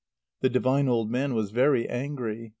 The divine old man was very angry.